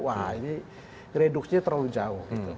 wah ini reduksinya terlalu jauh